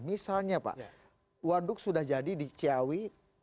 misalnya pak waduk sudah jadi di ciawi